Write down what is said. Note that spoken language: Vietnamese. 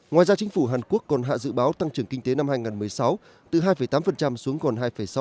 ngoài ra chính phủ hàn quốc còn hạ dự báo tăng trưởng kinh tế năm hai nghìn một mươi sáu từ hai tám xuống còn hai sáu